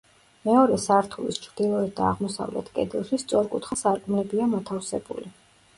მეორე სართულის ჩრდილოეთ და აღმოსავლეთ კედელში სწორკუთხა სარკმლებია მოთავსებული.